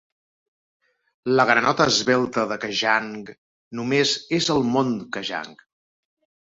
La granota esvelta de Kajang només és al Mont Kajang.